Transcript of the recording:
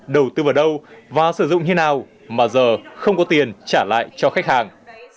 đầu tư vào đâu và sử dụng như nào mà giờ không có tiền trả lại cho khách hàng